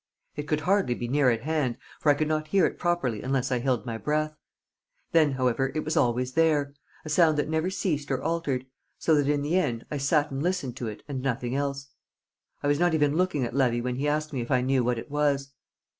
It could hardly be near at hand, for I could not hear it properly unless I held my breath. Then, however, it was always there, a sound that never ceased or altered, so that in the end I sat and listened to it and nothing else. I was not even looking at Levy when he asked me if I knew what it was.